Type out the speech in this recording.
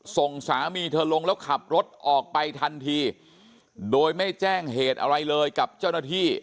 ส่งสามีเธอลงแล้วขับรถออกไปทันทีโดยไม่แจ้งเหตุอะไรเลยกับเจ้าหน้าที่